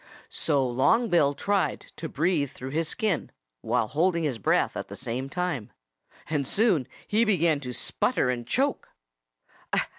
So Long Bill tried to breathe through his skin, while holding his breath at the same time. And soon he began to sputter and choke.